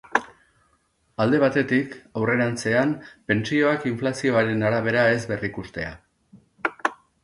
Alde batetik, aurrerantzean, pentsioak inflazioaren arabera ez berrikustea.